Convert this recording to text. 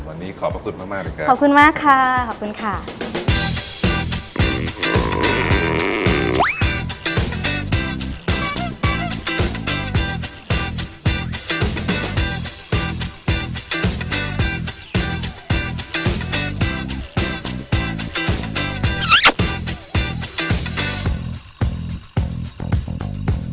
วันนี้ขอบพระคุณมากเลยครับขอบคุณมากค่ะขอบคุณค่ะ